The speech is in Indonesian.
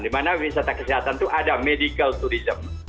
di mana wisata kesehatan itu ada medical tourism